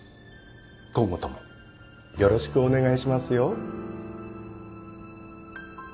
今後ともよろしくお願いしますよ。